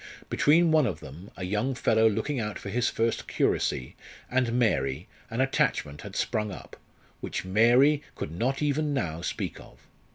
Between one of them, a young fellow looking out for his first curacy, and Mary an attachment had sprung up, which Mary could not even now speak of.